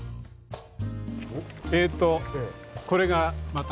えっとこれがまた。